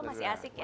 masih asik ya